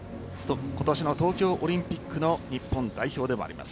今年の東京オリンピックの日本代表でもあります。